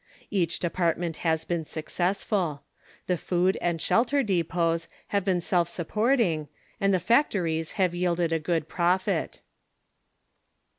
Each department has been successful. The food and shelter depots have been self supporting, and the factories have yielded a good profit.